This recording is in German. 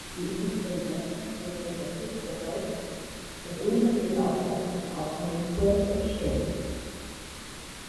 Die unteren Blätter sind rosettig gehäuft, das unterste Laubblatt ist auffallend kurz und stumpf.